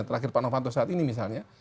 terakhir pak novanto saat ini misalnya